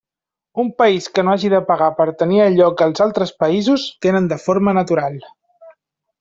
Un país que no hagi de pagar per tenir allò que els altres països tenen de forma natural.